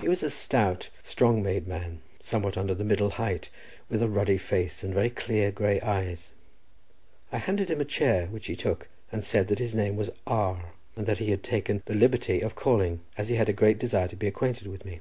He was a stout, strong made man, somewhat under the middle height, with a ruddy face, and very clear, grey eyes. I handed him a chair, which he took, and said that his name was R—, and that he had taken the liberty of calling, as he had a great desire to be acquainted with me.